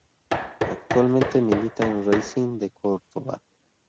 Actualmente milita en Racing de Córdoba.